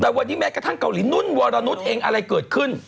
แต่วันนี้แม้กระทั่งเกาหลีนุ่นวรนุษย์เองอะไรเกิดขึ้น